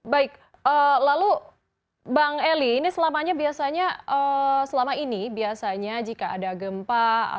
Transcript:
baik lalu bang eli ini selamanya biasanya selama ini biasanya jika ada gempa